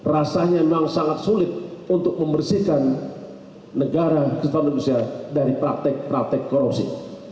rasanya memang sangat sulit untuk membersihkan negara selatan indonesia dari praktik praktik korupsi